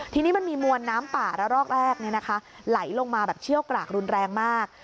ทีนี้มันมีมวลน้ำป่าระลอกแรกไหลลงมาแบบเชี่ยวกรากรุนแรงมาก